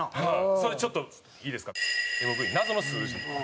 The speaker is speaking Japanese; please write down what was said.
それちょっといいですか。